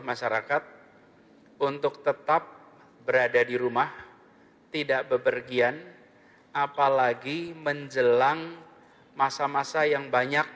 masyarakat untuk tetap berada di rumah tidak bepergian apalagi menjelang masa masa yang banyak